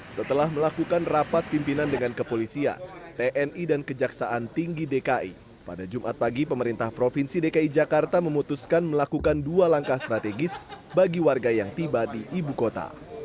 setelah melakukan rapat pimpinan dengan kepolisian tni dan kejaksaan tinggi dki pada jumat pagi pemerintah provinsi dki jakarta memutuskan melakukan dua langkah strategis bagi warga yang tiba di ibu kota